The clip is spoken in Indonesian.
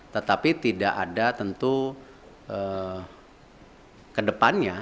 tetapi tidak ada tentu kedepannya